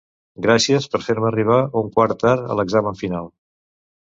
Gràcies per fer-me arribar un quart tard a l'examen final.